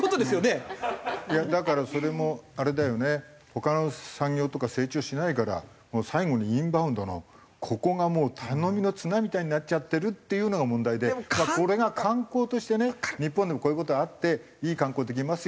他の産業とか成長しないからもう最後にインバウンドのここがもう頼みの綱みたいになっちゃってるっていうのが問題でこれが観光としてね日本でもこういう事があっていい観光できます